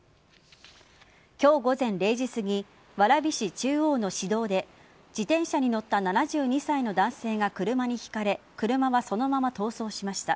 今日午前０時すぎ蕨市中央の市道で自転車に乗った７２歳の男性が車にひかれ車はそのまま逃走しました。